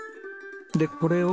でこれを。